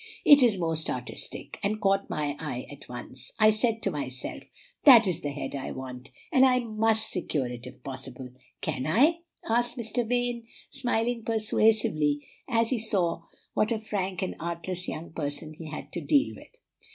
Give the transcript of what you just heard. "It is most artistic, and caught my eye at once. I said to myself,' That is the head I want, and I MUST secure it if possible.' Can I?" asked Mr. Vane, smiling persuasively as he saw what a frank and artless young person he had to deal with.